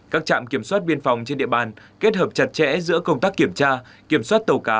các trạm kiểm soát biên phòng trên địa bàn kết hợp chặt chẽ giữa công tác kiểm tra kiểm soát tàu cá